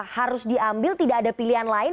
harus diambil tidak ada pilihan lain